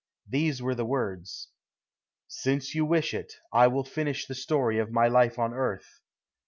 These were the words: "Since you wish it, I will finish the story of my life on earth.